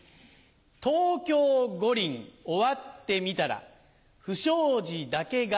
東京五輪終わってみたら不祥事だけが残るだけ。